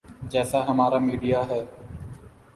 جیسا ہمارا میڈیا ہے۔